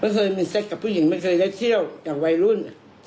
เคยมีเซ็กกับผู้หญิงไม่เคยได้เที่ยวกับวัยรุ่น